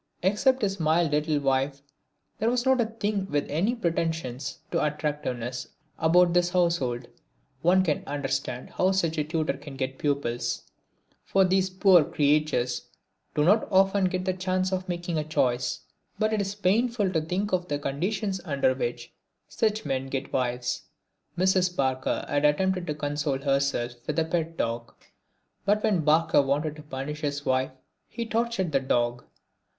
Except his mild little wife there was not a thing with any pretensions to attractiveness about this household. One can understand how such a tutor can get pupils, for these poor creatures do not often get the chance of making a choice. But it is painful to think of the conditions under which such men get wives. Mrs. Barker had attempted to console herself with a pet dog, but when Barker wanted to punish his wife he tortured the dog.